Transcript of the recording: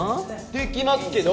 できますけど